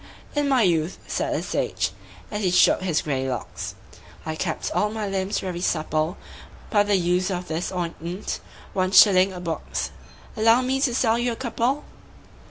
"In my youth," said the sage, as he shook his grey locks, "I kept all my limbs very supple By the use of this ointment one shilling a box Allow me to sell you a couple?"